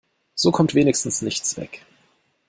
So kommt wenigstens nichts weg.